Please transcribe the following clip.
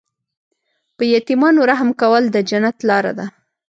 په یتیمانو رحم کول د جنت لاره ده.